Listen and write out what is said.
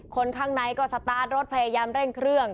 คนข้างในก็สตาร์ทรถพยายามเร่งเครื่อง